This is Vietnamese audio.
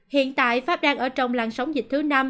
hiện tại pháp đang ở trong làng sóng dịch thứ năm